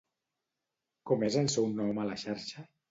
Com és el seu nom a la xarxa?